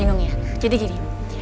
saya perlu bantuan kamu